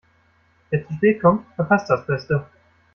Wer zu spät kommt, verpasst das Beste.